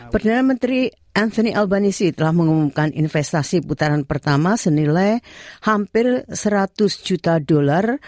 perdana menteri anthony alvanisi telah mengumumkan investasi putaran pertama senilai hampir seratus juta dolar